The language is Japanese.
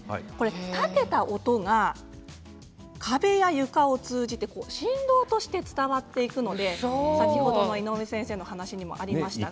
立てた音が壁や床を通じて振動として伝わっていくので井上先生の話にもありましたが。